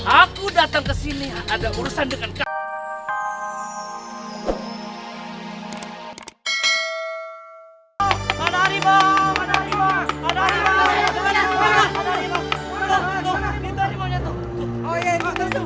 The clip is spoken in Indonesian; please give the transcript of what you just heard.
aku datang kesini ada urusan dengan kau